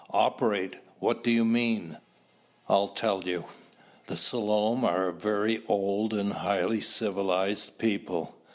"Operate? What do you mean?" "I'll tell you. The Selom are a very old and highly civilized people.